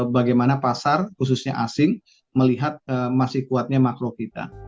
bagaimana pasar khususnya asing melihat masih kuatnya makro kita